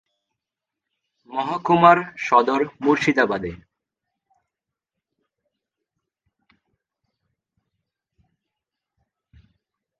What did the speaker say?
মহকুমার সদর মুর্শিদাবাদে।